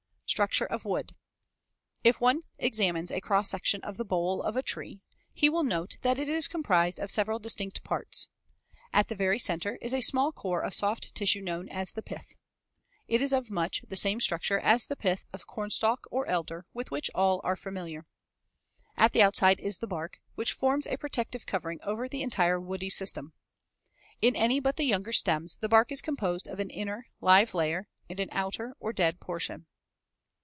Structure of wood: If one examines a cross section of the bole of a tree, he will note that it is composed of several distinct parts, as shown in Fig. 145. At the very center is a small core of soft tissue known as the pith. It is of much the same structure as the pith of cornstalk or elder, with which all are familiar. At the outside is the bark, which forms a protective covering over the entire woody system. In any but the younger stems, the bark is composed of an inner, live layer, and an outer or dead portion.